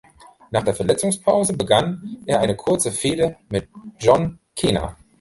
Nach der Verletzungspause begann er eine kurze Fehde mit John Cena.